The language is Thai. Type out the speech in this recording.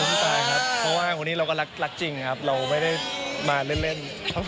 ผู้ตายครับเพราะว่าวันนี้เราก็รักจริงครับเราไม่ได้มาเล่น